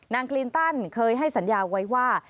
คลินตันเคยให้สัญญาไว้ว่า